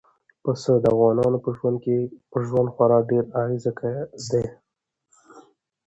پسه د افغانانو په ژوند خورا ډېر اغېزمن دی.